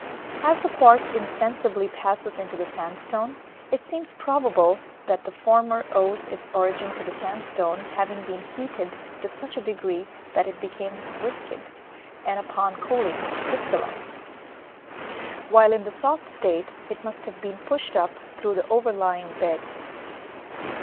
As the quartz insensibly passes into the sandstone, it seems probable that the former owes its origin to the sandstone having been heated to such a degree that it became viscid, and upon cooling crystallized. While in the soft state it must have been pushed up through the overlying beds.